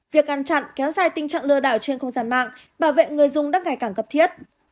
việc ngăn chặn kéo dài tình trạng lừa đảo trên không gian mạng bảo vệ người dùng đang ngày càng cập thiết